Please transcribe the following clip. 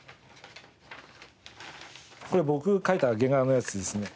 これ僕が描いた原画のやつですね。